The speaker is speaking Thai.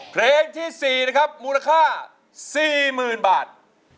เพลงที่๔นะครับมูลค่า๔๐๐๐บาท